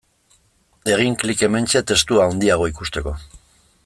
Egin klik hementxe testua handiago ikusteko.